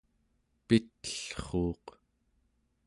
pit'ellruuq